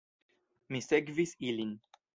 Mi sekvis ilin.